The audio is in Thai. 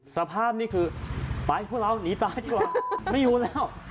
สภาพนี่คือไปพวกเราหนีตายดีกว่าไม่อยู่แล้ว